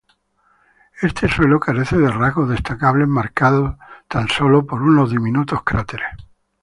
Este suelo carece de rasgos destacables, marcado tan solo por unos diminutos cráteres.